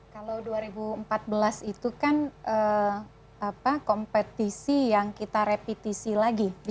kalau dua ribu empat belas itu kan kompetisi yang kita repetisi lagi